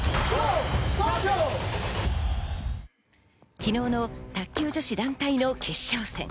昨日の卓球女子団体の決勝戦。